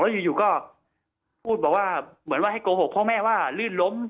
อยู่ก็พูดบอกว่าเหมือนว่าให้โกหกพ่อแม่ว่าลื่นล้ม